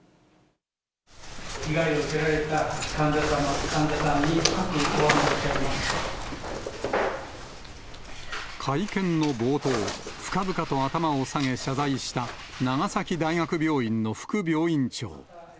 被害を受けられた患者さんに、会見の冒頭、深々と頭を下げ、謝罪した長崎大学病院の副病院長。